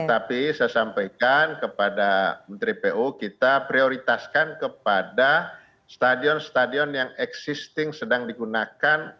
tetapi saya sampaikan kepada menteri pu kita prioritaskan kepada stadion stadion yang existing sedang digunakan